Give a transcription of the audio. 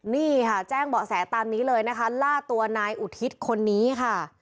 นี่ค่ะแจ้งเบาะแสตามนี้เลยนะคะล่าตัวนายอุทิศคนนี้ค่ะ